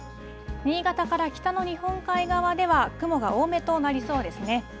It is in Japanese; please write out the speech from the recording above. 新潟から北の日本海側では雲が多めとなりそうですね。